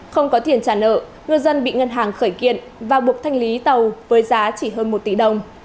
không có tiền trả nợ ngư dân bị ngân hàng khởi kiện và buộc thanh lý tàu với giá chỉ hơn một tỷ đồng